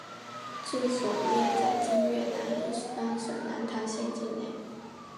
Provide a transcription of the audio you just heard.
治所约在今越南乂安省南坛县境内。